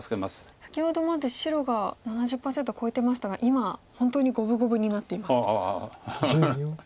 先ほどまで白が７０％超えてましたが今本当に五分五分になっています。